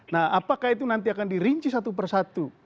nah apakah itu nanti akan dirinci satu persatu